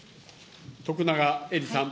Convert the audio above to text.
徳永エリさん。